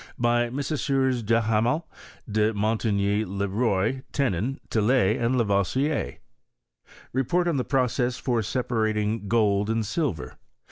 By Messrs. Duhamel, De Mon tigny, Le Roy, Tenon, Tillet, and Lavoisier. Report on the Process for separating Gold and Silver.